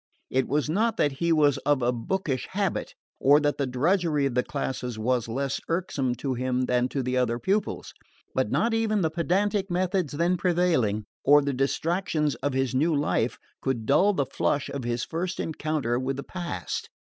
It was not that he was of a bookish habit, or that the drudgery of the classes was less irksome to him than to the other pupils; but not even the pedantic methods then prevailing, or the distractions of his new life, could dull the flush of his first encounter with the past.